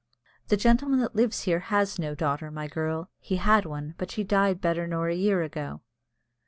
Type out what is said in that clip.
"The gentleman that lives here has no daughter, my girl. He had one, but she died better nor a year ago."